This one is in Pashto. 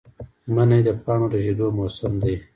منی د پاڼو ریژیدو موسم دی